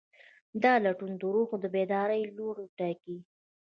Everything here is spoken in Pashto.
دا لټون د روح د بیدارۍ لوری ټاکي.